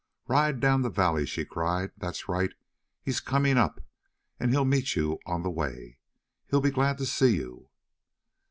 "Ride down the valley!" she cried. "That's right. He's coming up, and he'll meet you on the way. He'll be glad to see you!"